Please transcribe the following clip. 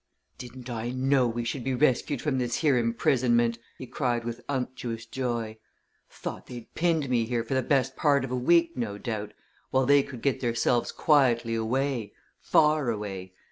"Didn't I know we should be rescued from this here imprisonment!" he cried with unctuous joy. "Thought they'd pinned me here for best part of a week, no doubt, while they could get theirselves quietly away far away!